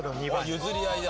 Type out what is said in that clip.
譲り合いだ。